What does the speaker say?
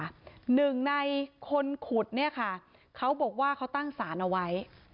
หนึ่งในคนขุดเนี่ยค่ะเขาบอกว่าเขาตั้งสารเอาไว้